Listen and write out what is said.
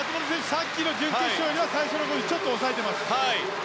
さっきの準決勝では最初はちょっと抑えています。